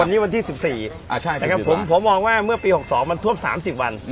วันนี้วันที่สิบสี่อ่าใช่สิบสี่วันผมผมมองว่าเมื่อปีหกสองมันท่วมสามสิบวันอืม